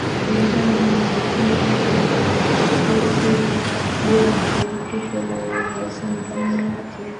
kulingana na majukumu yake na hili ndio shindikizo la alhasan draman watere